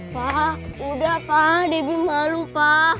pak udah pak debbie malu pak